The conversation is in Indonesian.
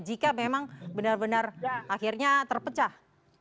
jika memang benar benar akhirnya terpecah